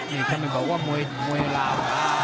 นี่ทำไมบอกว่ามวยลาว